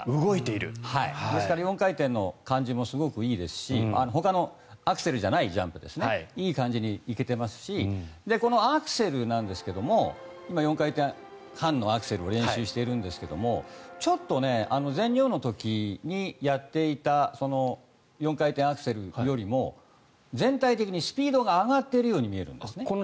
ですから、４回転の感じもすごくいいですしほかのアクセルじゃないジャンプもいい感じに行けてますしこのアクセルなんですけど今、４回転半のアクセルを練習しているんですがちょっと全日本の時にやっていた４回転アクセルよりも全体的にスピードが上がってるように見えるんですね。